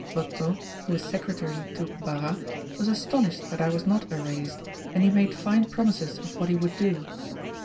Bottot, who was secretary to Barras, was astonished that I was not erased, and he made fine promises of what he would do.